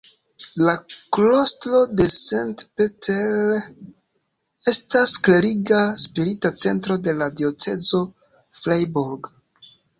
La klostro de St. Peter estas kleriga Spirita Centro de la diocezo Freiburg.